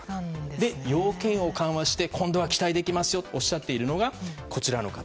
要件を緩和して今度は期待できますよとおっしゃっているのがこちらの方。